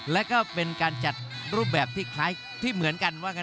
และก็เป็นการจัดรูปแบบที่เหมือนกันว่ากันด้วย